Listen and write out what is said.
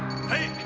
はい！